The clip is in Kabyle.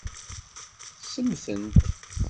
Semmtent.